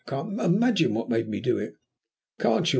I can't imagine what made me do it." "Can't you?"